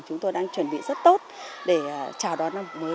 chúng tôi đang chuẩn bị rất tốt để chào đón năm mới